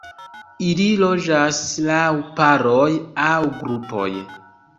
Ili loĝas laŭ paroj aŭ grupoj.